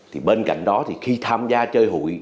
thì bên cạnh đó thì khi tham gia chơi hụi